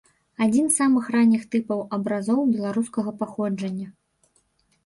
Адзін самых ранніх тыпаў абразоў беларускага паходжання.